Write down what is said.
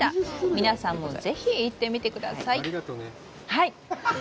皆さんもぜひ行ってみてください。